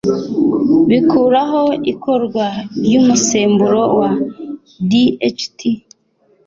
bikuraho ikorwa ry'umusemburo wa DHT